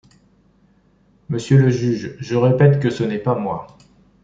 Monsieur le juge, je répète que ce n’est pas moi.